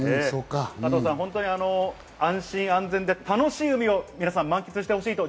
加藤さん、安心安全で楽しい海を皆さんに満喫してほしいと。